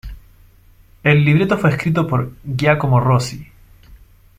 El libreto fue escrito por Giacomo Rossi.